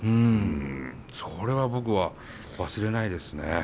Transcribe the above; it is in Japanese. それは僕は忘れないですね。